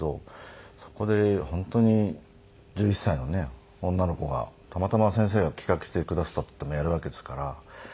そこで本当に１１歳のね女の子がたまたま先生が企画してくださってやるわけですから。